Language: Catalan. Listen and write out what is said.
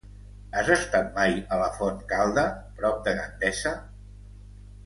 Has estat mai a la Fontcalda, prop de Gandesa?